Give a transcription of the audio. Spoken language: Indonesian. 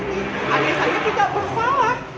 adik saya tidak bersalah